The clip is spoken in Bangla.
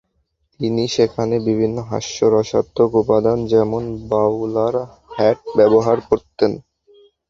তিনি সেখানে বিভিন্ন হাস্যরসাত্মক উপাদান, যেমন বাউলার হ্যাট ব্যবহার করতেন।